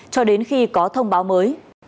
cho đến khi có thông báo mới